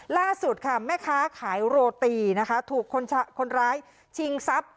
ล่าสุดค่ะแม่ค้าขายโรตีนะคะถูกคนร้ายชิงทรัพย์